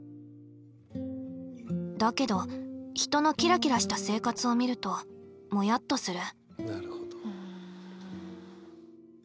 だけど人のキラキラした生活を見るともやっとする。